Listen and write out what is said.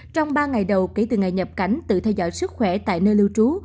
trong ba ngày đầu kể từ ngày nhập cảnh tự theo dõi sức khỏe tại nơi lưu trú